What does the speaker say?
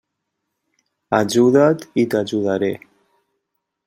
Ajuda't i t'ajudaré.